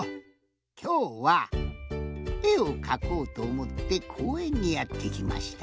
きょうはえをかこうとおもってこうえんにやってきました。